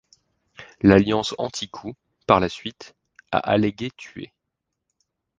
L'Alliance anti-coup, par la suite, a allégué tués.